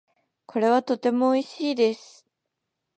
これはとても美味しいです。